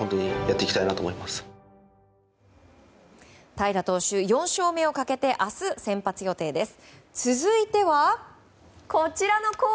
平良投手４勝目をかけて明日、先発予定です。